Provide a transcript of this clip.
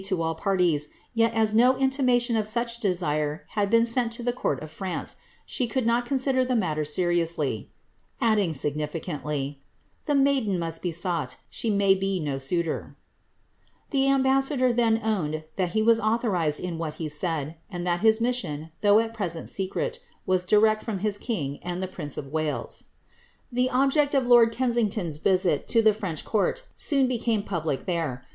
The queen mother observed, ^^ That however agreeable such union might be to all parties, yet as no intima tion of such desire had been sent to the court of France, she could not consider the matter seriously," adding, significantly, ^ the maiden must be sought, she may be no suitor." ' The ambassador then owned that he was authorized in what he said ; and that his mission, though at present secret, was direct from his king and the prince of Wales. The object of lord Kensington^s visit to the French court soon be came public there.